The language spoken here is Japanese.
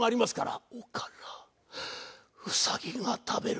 うさぎが食べる。